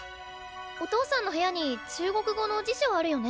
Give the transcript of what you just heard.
お父さんの部屋に中国語の辞書あるよね？